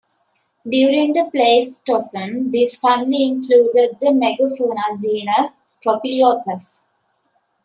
During the Pleistocene, this family included the megafauna genus "propleopus".